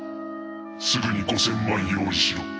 「すぐに５千万用意しろ」